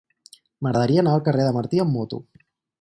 M'agradaria anar al carrer de Martí amb moto.